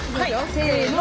せの！